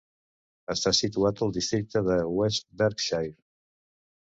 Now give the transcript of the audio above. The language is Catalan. Està situat al districte de West Berkshire.